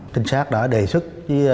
kinh sát đã đề xuất